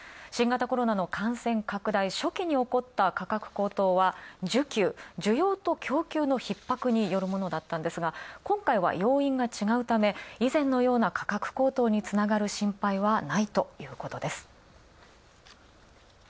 新型コロナの感染拡大初期に起こった価格高騰は需給、供給の逼迫によるものだったんですが、今回は要因が違うため、以前のような価格高騰につながる心配はないということです。